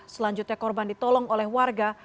selanjutnya korban ditolong oleh warga